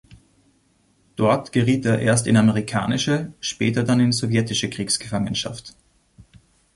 Dort geriet er erst in amerikanische, später dann in sowjetische Kriegsgefangenschaft.